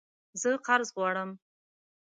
زه قرض غواړم